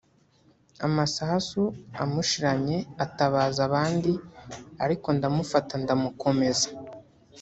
amasasu amushiranye atabaza abandi ariko ndamufata ndamukomeza